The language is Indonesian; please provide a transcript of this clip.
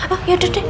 oh yaudah deh